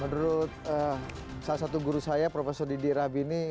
menurut salah satu guru saya prof didi rabe ini